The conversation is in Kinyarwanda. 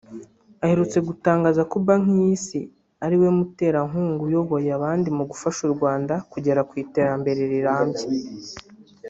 aherutse gutangaza ko Banki y’Isi ariwe muterankunga uyoboye abandi mu gufasha u Rwanda kugera ku iterambere rirambye